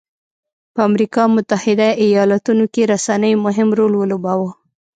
په امریکا متحده ایالتونو کې رسنیو مهم رول ولوباوه.